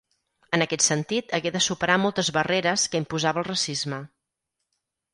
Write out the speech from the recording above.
En aquest sentit hagué de superar moltes barreres que imposava el racisme.